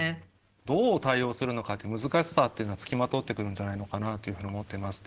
どう対応するのかって難しさっていうのは付きまとってくるんじゃないのかなというふうに思ってます。